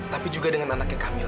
tapi juga dengan anaknya kamil